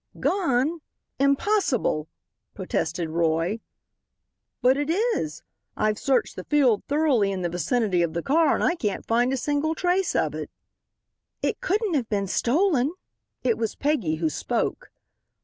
"Gone! Impossible!" protested Roy. "But it is. I've searched the field thoroughly in the vicinity of the car, and I can't find a single trace of it." "It couldn't have been stolen." It was Peggy who spoke.